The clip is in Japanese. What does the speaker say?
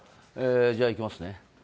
じゃあ、いきますね。